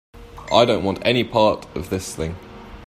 I don't want any part of this thing.